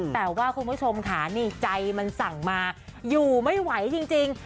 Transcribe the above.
แต่ว่าคุณผู้ชมค่ะนี่ใจมันสั่งมาอยู่ไม่ไหวจริง